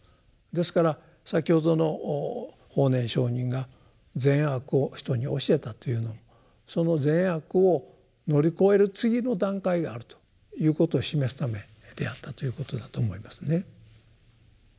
ですから先ほどの法然上人が善悪を人に教えたというのはその善悪を乗り越える次の段階があるということを示すためであったということだと思いますね。